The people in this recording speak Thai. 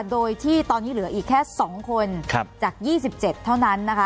โดยที่ตอนนี้เหลืออีกแค่๒คนจาก๒๗เท่านั้นนะคะ